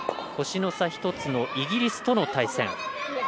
星の差１つのイギリスとの対戦。